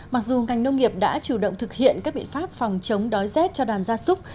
mặc dù ngành nông nghiệp đã chủ động thực hiện các biện pháp phòng chống đói rét cho đàn gia súc